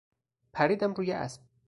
پریدم روی اسب.